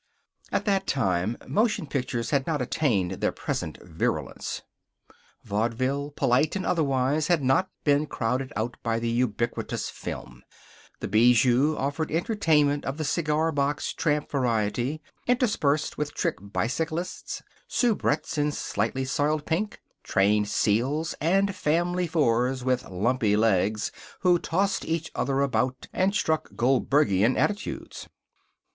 At that time motion pictures had not attained their present virulence. Vaudeville, polite or otherwise, had not yet been crowded out by the ubiquitous film. The Bijou offered entertainment of the cigar box tramp variety, interspersed with trick bicyclists, soubrettes in slightly soiled pink, trained seals, and Family Fours with lumpy legs who tossed each other about and struck Goldbergian attitudes.